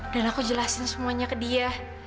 dan aku jelasin semuanya ke dia